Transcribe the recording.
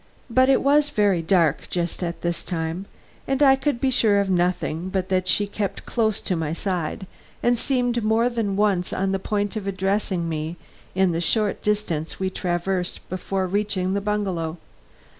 But it was very dark just at this time and I could be sure of nothing but that she kept close to my side and seemed more than once on the point of addressing me in the short distance we traversed before reaching the bungalow.